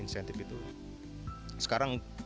insentif itu sekarang